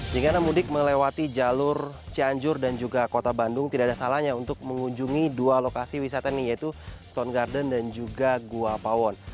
jika anda mudik melewati jalur cianjur dan juga kota bandung tidak ada salahnya untuk mengunjungi dua lokasi wisata ini yaitu stone garden dan juga gua pawon